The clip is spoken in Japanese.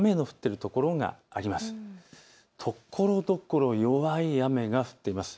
ところどころ弱い雨が降っています。